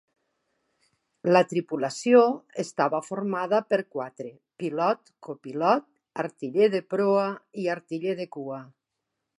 La tripulació estava formada per quatre: pilot, copilot, artiller de proa i artiller de cua.